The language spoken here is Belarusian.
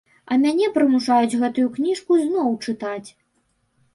А мяне прымушаюць гэтую кніжку зноў чытаць!